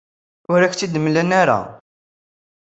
Ur ak-tt-id-mlan ara.